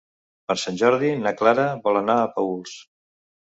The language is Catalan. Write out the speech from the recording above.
Per Sant Jordi na Clara vol anar a Paüls.